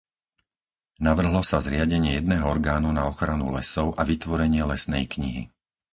Navrhlo sa zriadenie jedného orgánu na ochranu lesov a vytvorenie lesnej knihy.